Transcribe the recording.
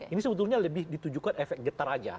ini sebetulnya lebih ditujukan efek getar aja